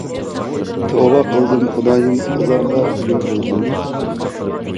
توۋا قىلدىم خۇدايىم، ئۇلارغا نېمە بولغاندۇ؟ .